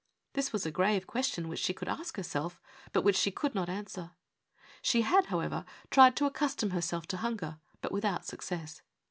This was a grave question, which she could ask herself, but which she could not answer. She had, however, tried to accustom herself to hunger, but without success.